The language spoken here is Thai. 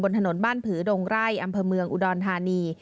ถนนบ้านผือดงไร่อำเภอเมืองอุดรธานี